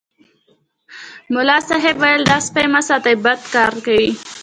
ملا صاحب ویل دا سپي مه ساتئ بد کار کوي.